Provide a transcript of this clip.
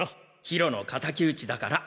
ヒロの敵討ちだから。